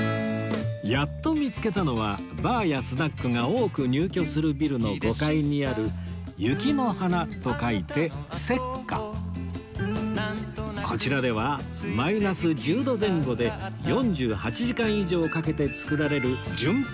やっと見つけたのはバーやスナックが多く入居するビルの５階にある「雪の華」と書いてこちらではマイナス１０度前後で４８時間以上かけて作られる純氷を使用